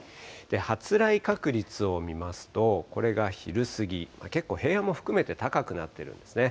発雷確率を見ますと、これが昼過ぎ、結構平野も含めて高くなってるんですね。